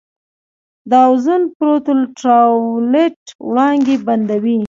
د اوزون پرت الټراوایلټ وړانګې بندوي.